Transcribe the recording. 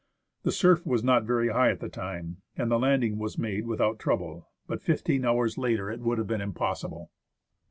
The surf was not very high at the time, and the landing was made without trouble ; but fifteen hours later it would have been impossible.